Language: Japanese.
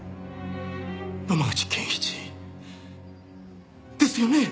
野間口健一ですよね？